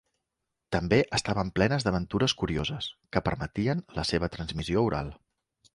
També estaven plenes d'aventures curioses que permetien la seva transmissió oral.